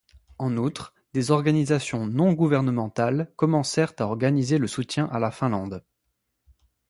En outre, des organisations non gouvernementales commencèrent à organiser le soutien à la Finlande.